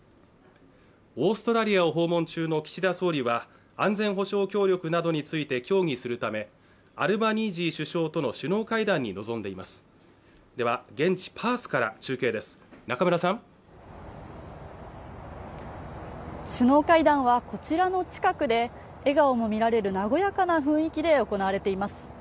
オーストラリアを訪問中の岸田総理は安全保障協力などについて協議するためアルバニージー首相との首脳会談に臨んでいますでは現地パースから中継です、中村さん首脳会談はこちらの近くで笑顔も見られる和やかな雰囲気で行われています